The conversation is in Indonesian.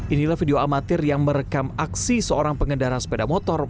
inilah video amatir yang merekam aksi seorang pengendara sepeda motor